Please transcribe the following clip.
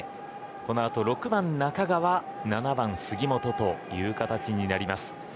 このあと６番、中川７番、杉本という形になります。